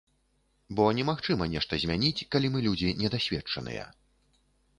Бо немагчыма нешта змяніць, калі мы людзі недасведчаныя.